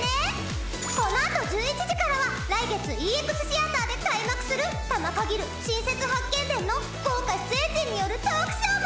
このあと１１時からは来月ＥＸシアターで開幕する『玉蜻新説・八犬伝』の豪華出演陣によるトークショーも。